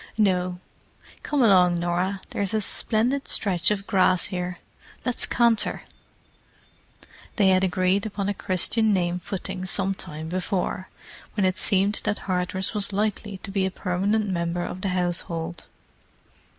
"No. Come along, Norah, there's a splendid stretch of grass here: let's canter!" They had agreed upon a Christian name footing some time before, when it seemed that Hardress was likely to be a permanent member of the household.